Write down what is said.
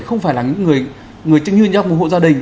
không phải là những người chứng nhu nhân trong một hộ gia đình